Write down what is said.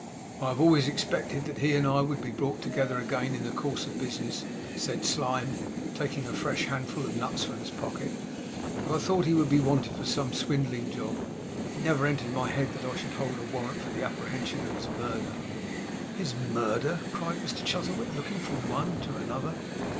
'I have always expected that he and I would be brought together again in the course of business,' said Slyme, taking a fresh handful of nuts from his pocket; 'but I thought he would be wanted for some swindling job; it never entered my head that I should hold a warrant for the apprehension of his murderer.' 'HIS murderer!' cried Mr Chuzzlewit, looking from one to another.